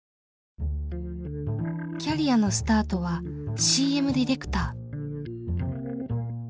キャリアのスタートはＣＭディレクター。